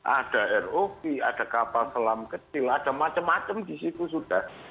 ada rov ada kapal selam kecil ada macam macam di situ sudah